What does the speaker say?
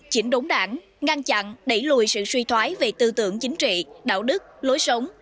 chỉnh đốn đảng ngăn chặn đẩy lùi sự suy thoái về tư tưởng chính trị đạo đức lối sống